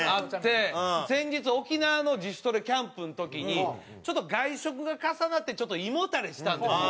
先日沖縄の自主トレキャンプの時にちょっと外食が重なって胃もたれしたんですよ。